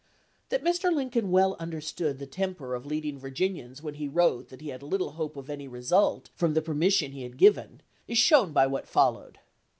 That Mr. Lincoln well understood the temper of leading Virginians when he wrote that he had lit tle hope of any result from the permission he had given is shown by what followed.